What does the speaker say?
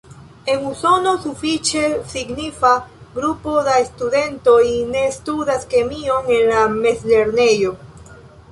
En Usono, sufiĉe signifa grupo da studentoj ne studas kemion en la mezlernejo.